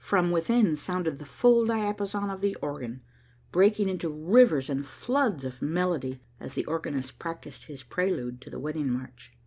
From within sounded the full diapason of the organ, breaking into rivers and floods of melody as the organist practised his prelude to the wedding march.